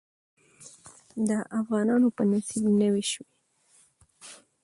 د افغانانو په نصيب نوى شوې.